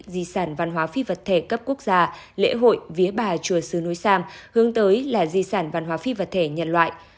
di sản văn hóa phi vật thể cấp quốc gia lễ hội vía bà chùa sứ núi sam hướng tới là di sản văn hóa phi vật thể nhân loại